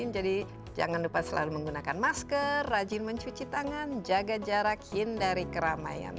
jadi jangan lupa selalu menggunakan masker rajin mencuci tangan jaga jarak hindari keramaian